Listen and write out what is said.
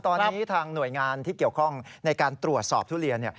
ตอนนี้ทางหน่วยงานที่เกี่ยวข้องในการตรวจสอบทุเรียน